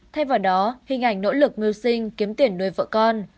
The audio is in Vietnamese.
thay vào đó hình ảnh nỗ lực mưu sinh kiếm tiền nuôi vợ con